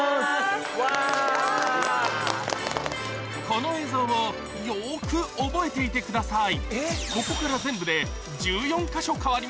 この映像をよく覚えていてください